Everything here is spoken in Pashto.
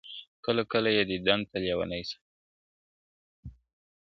كله، كله يې ديدن تــه لـيونـى سم.